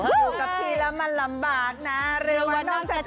อยู่กับพี่แล้วมันลำบากนะเรื่องว่าน้องจะเถิด